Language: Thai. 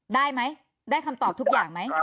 ได้ไหมได้คำตอบทุกอย่างไหม